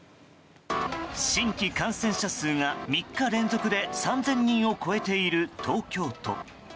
新規感染者数が３日連続で３０００人を超えている東京都。